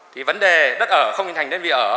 thì vấn đề đất ở không hình thành đơn vị ở